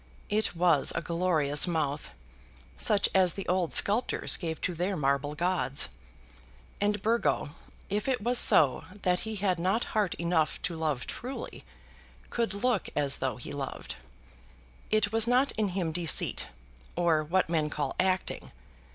It was a glorious mouth, such as the old sculptors gave to their marble gods! And Burgo, if it was so that he had not heart enough to love truly, could look as though he loved. It was not in him deceit, or what men call acting.